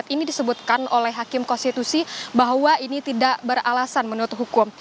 ini disebutkan oleh hakim konstitusi bahwa ini tidak beralasan menurut hukum